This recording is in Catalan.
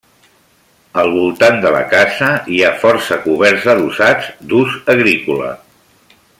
Al voltant de la casa hi ha força coberts adossats, d'ús agrícola.